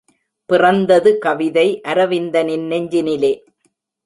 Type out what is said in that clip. பிறந்தது கவிதை அரவிந்தனின் நெஞ்சினிலே.